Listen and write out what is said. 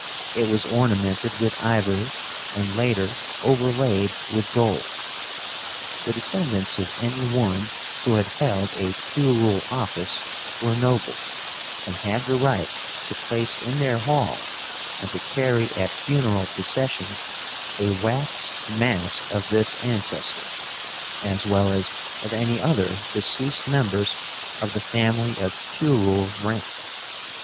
It was ornamented with ivory, and later overlaid with gold. The descendants of any one who had held a curule office were nobles, and had the right to place in their halls and to carry at funeral processions a wax mask of this ancestor, as well as of any other deceased members of the family of curule rank.